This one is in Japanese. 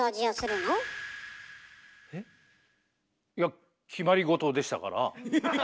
いや決まり事でしたから。